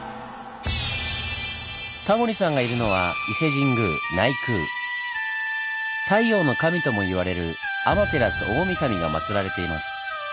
タモリさんがいるのは太陽の神とも言われる「天照大神」がまつられています。